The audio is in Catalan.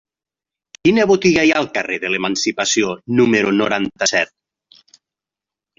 Quina botiga hi ha al carrer de l'Emancipació número noranta-set?